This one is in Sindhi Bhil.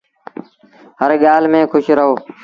هر ڳآل ميݩ کُوش رهو